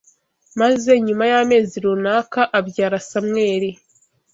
maze nyuma y’amezi runaka abyara Samweli